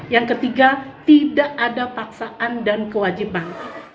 yang ketiga tidak ada paksaan dan kewajiban